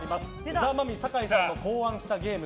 ザ・マミィの酒井さんが考案したゲーム。